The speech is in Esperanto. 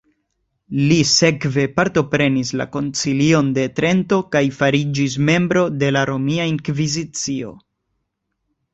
Li sekve partoprenis la koncilion de Trento kaj fariĝis membro de la Romia Inkvizicio.